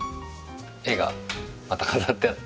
絵がまた飾ってあって。